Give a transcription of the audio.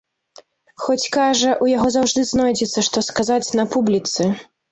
Хоць, кажа, у яго заўжды знойдзецца, што сказаць на публіцы.